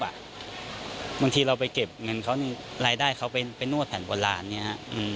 บางทีเราไปเก็บเงินเขารายได้เขาไปนวดแผ่นวรรณนี้